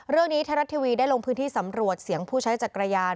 เรื่องนี้ไทยรัฐทีวีได้ลงพื้นที่สำรวจเสียงผู้ใช้จักรยาน